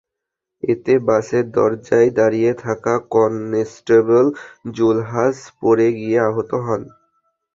এতে বাসের দরজায় দাঁড়িয়ে থাকা কনস্টেবল জুলহাস পড়ে গিয়ে আহত হন।